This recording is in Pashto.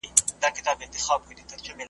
حساب نسته سر پر سر یې زېږومه .